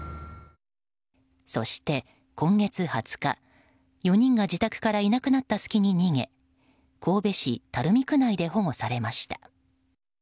そして今月２０日、４人が自宅からいなくなった隙に逃げ神戸市垂水区内で保護されました。